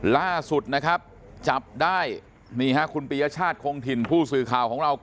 ล่าสุดนะครับ